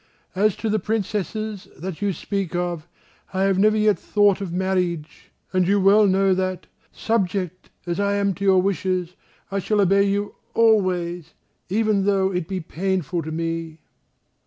As to the Princesses that you speak of, I have never yet thought of marriage, and you well know that, subject as I am to your wishes, I shall obey you always, even though it be painful to me."